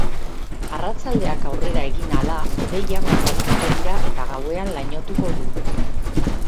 Arratsaldeak aurrera egin ahala hodeiak ugarituko dira eta gauean lainotuko du.